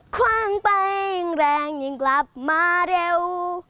คว่างไปยิ่งแรงยิ่งกลับมาเร็ว